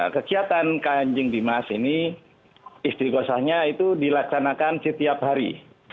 kegiatan kanjing dimas ini istiqosahnya itu dilaksanakan setiap hari